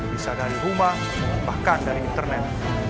bisa dari rumah bahkan dari internet